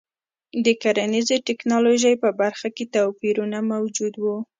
د کرنیزې ټکنالوژۍ په برخه کې توپیرونه موجود وو.